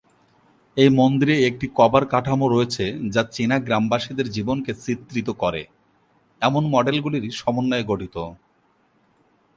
এই মন্দিরে একটি কভার কাঠামো রয়েছে যা চীনা গ্রামবাসীদের জীবনকে চিত্রিত করে এমন মডেলগুলির সমন্বয়ে গঠিত।